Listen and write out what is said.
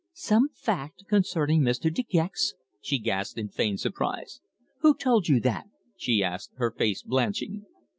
"Some fact concerning Mr. De Gex!" she gasped in feigned surprise. "Who told you that!" she asked, her face blanching.